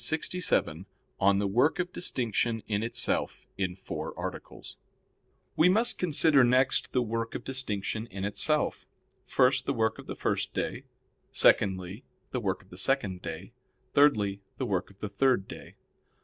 _______________________ QUESTION 67 ON THE WORK OF DISTINCTION IN ITSELF (In Four Articles) We must consider next the work of distinction in itself. First, the work of the first day; secondly, the work of the second day; thirdly the work of the third day.